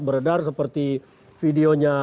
beredar seperti videonya